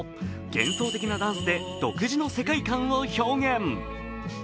幻想的なダンスで独自の世界観を表現。